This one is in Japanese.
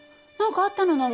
何かあったの？